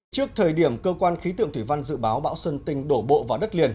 trước thời điểm cơ quan khí tượng thủy văn dự báo bão sơn tinh đổ bộ vào đất liền